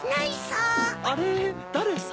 あれだれさ？